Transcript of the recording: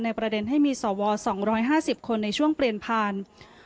ประเด็นให้มีสว๒๕๐คนในช่วงเปลี่ยนผ่าน